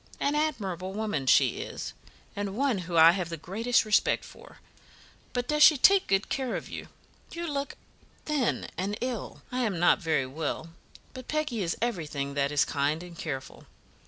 An admirable woman she is, and one whom I have the greatest respect for; but does she take good care of you? You look thin and ill." "I am not very well, but Peggy is everything that is kind and careful.